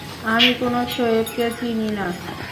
আমি কোন শোয়েব কে চিনি নাহ।